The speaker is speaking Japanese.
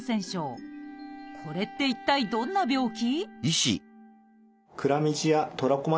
これって一体どんな病気？